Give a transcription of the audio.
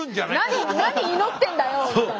何何祈ってんだよみたいな。